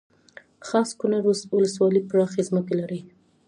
خاص کونړ ولسوالۍ پراخې ځمکې لري